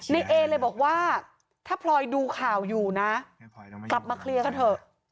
เอเลยบอกว่าถ้าพลอยดูข่าวอยู่นะกลับมาเคลียร์กันเถอะ